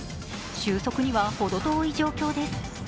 収束にはほど遠い状況です。